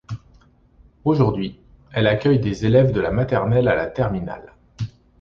Aujourd'hui, elle accueille des élèves de la maternelle à la terminale.